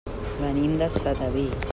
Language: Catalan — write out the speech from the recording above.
Venim de Sedaví.